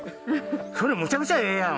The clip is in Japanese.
それむちゃくちゃええやん！